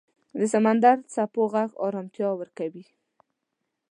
د سمندر څپو غږ آرامتیا ورکوي.